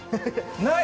ない？